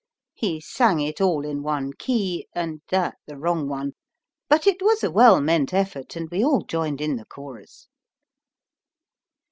He sang it all in one key, and that the wrong one. But it was a well meant effort, and we all joined in the chorus.